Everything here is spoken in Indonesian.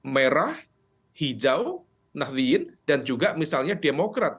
merah hijau nahdiyin dan juga misalnya demokrat